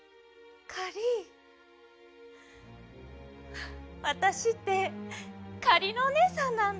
フッわたしってかりのおねえさんなんだ。